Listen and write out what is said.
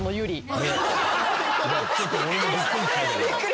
ちょっと俺もびっくりしたけど。